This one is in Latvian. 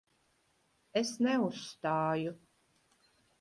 Es neuzstāju.